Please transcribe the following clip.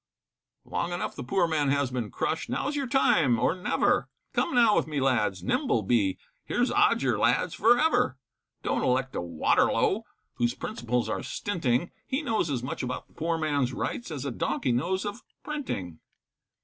Long enough the poor man has been crushed, Now is your time or never, Come, now with me lads, nimble be, Here's Odger, lads, for ever. Don't you elect a Waterlow, Whose principles are stinting, He knows as much about the poor man's rights As a donkey knows of printing.